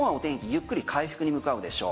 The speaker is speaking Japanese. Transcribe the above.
ゆっくり回復に向かうでしょう。